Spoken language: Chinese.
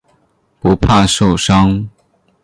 不怕受伤。